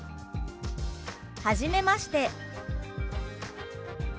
「はじめまして」。